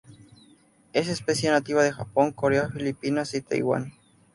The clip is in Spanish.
Es especie nativa de Japón, Corea, Filipinas y Taiwán.